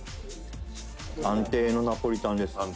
「安定のナポリタンです」